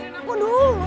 dengerin aku dulu